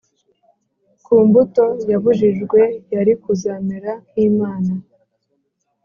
ku mbuto yabujijwe yari kuzamera nk’imana,